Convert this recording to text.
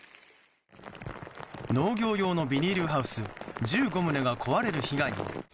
農業用のビニールハウス１５棟が壊れる被害も。